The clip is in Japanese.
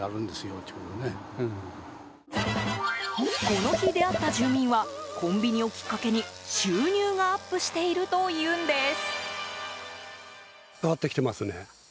この日、出会った住民はコンビニをきっかけに、収入がアップしているというんです。